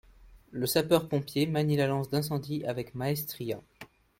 Le sapeur pompier manie la lance d'incendie avec maestria